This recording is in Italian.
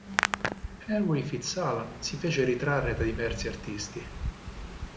Henry FitzAlan si fece ritrarre da diversi artisti.